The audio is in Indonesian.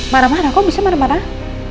marah marah kok bisa marah marah